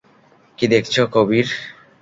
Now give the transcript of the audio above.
কী দেখছ, কবির?